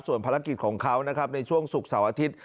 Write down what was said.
ส่วนภารกิจของเขานะครับในช่วงศุกร์เสาร์อาทิตย์